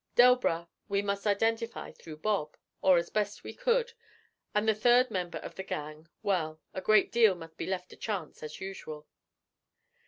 Delbras we must identify through Bob, or as we best could; and the third member of the 'gang' well, a great deal must be left to chance, as usual.